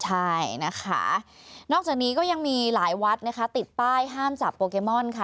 ใช่นะคะนอกจากนี้ก็ยังมีหลายวัดนะคะติดป้ายห้ามจับโปเกมอนค่ะ